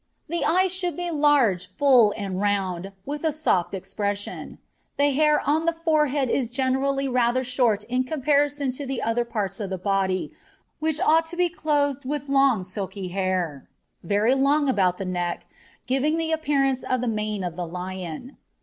The eyes should be large, full, and round, with a soft expression; the hair on the forehead is generally rather short in comparison to the other parts of the body, which ought to be clothed with long silky hair, very long about the neck, giving the appearance of the mane of the lion.